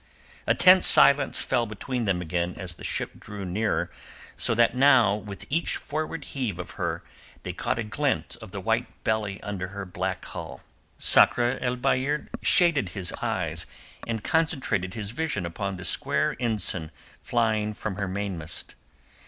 A tense silence fell between them again as the ship drew nearer so that now with each forward heave of her they caught a glint of the white belly under her black hull. Sakr el Bahr shaded his eyes, and concentrated his vision upon the square ensign flying from, her mainmast.